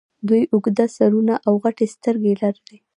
دوی اوږده سرونه او غټې سترګې لرلې